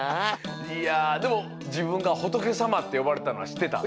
いやでも自分が仏さまって呼ばれてたのはしってた？